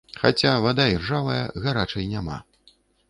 Хаця, вада іржавая, гарачай няма.